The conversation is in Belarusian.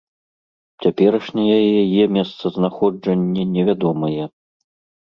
Цяперашняе яе месцазнаходжанне невядомае.